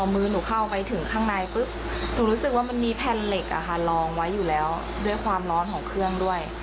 มีแผ่นเหล็กลองไว้อยู่แล้วด้วยความร้อนของเครื่องด้วย